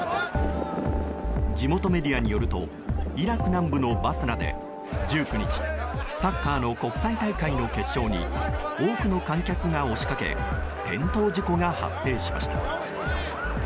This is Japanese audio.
地元メディアによるとイラク南部のバスラで１９日サッカーの国際大会の決勝に多くの観客が押しかけ転倒事故が発生しました。